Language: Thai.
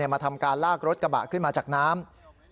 มาทำการลากรถกระบะขึ้นมาจากน้ำ